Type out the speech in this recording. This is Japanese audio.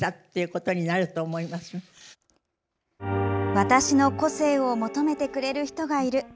私の個性を求めてくれる人がいる。